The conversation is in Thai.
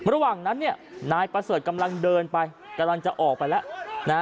ระหว่างนั้นเนี่ยนายประเสริฐกำลังเดินไปกำลังจะออกไปแล้ว